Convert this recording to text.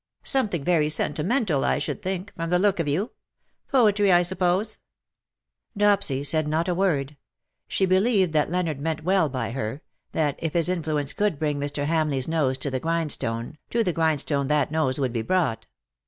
" Some thing very sentimental, I should think, from the look of you. Poetry, I suppose/^ Dopsy said not a word. She believed that Leonard meant well by her — that, if his influence could bring Mr. Hamleigh^s nose to the grindstone, to the grindstone that nose would be brought.